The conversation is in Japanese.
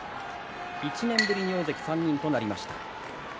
１年ぶりに大関が３人となりました。